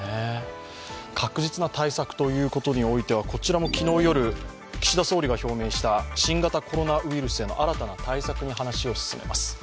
確実な対策ということにおいては、こちらも昨日夜、岸田総理が表明した新型コロナウイルスへの新たな対策へ話を進めます。